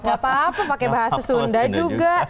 gak apa apa pakai bahasa sunda juga